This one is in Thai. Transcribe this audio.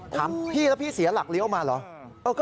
ถามพี่แล้วพี่เสียหลักเลี้ยวมาเหรอ